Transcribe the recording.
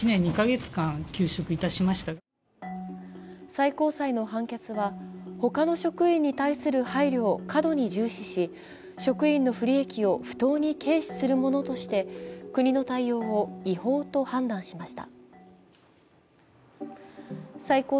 最高裁の判決は、他の職員に対する配慮を過度に重視し、職員の不利益を不当に軽視するものとして国の対応を違法と判断しました。